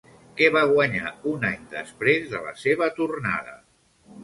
Què va guanyar un any després de la seva tornada?